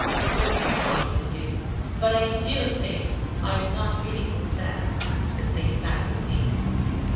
Don't be frightened, Dick, but I do think that I must really possess the same faculty!"